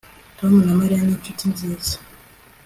Tom na Mariya ni inshuti nziza